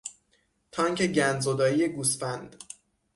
تانک گندزدایی گوسفند